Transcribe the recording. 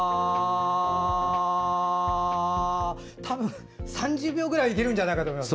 多分３０秒ぐらいいけるんじゃないかと思います。